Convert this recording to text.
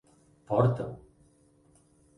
Porta-ho!